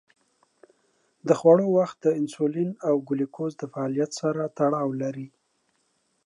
د خوړو وخت د انسولین او ګلوکوز د فعالیت سره تړاو لري.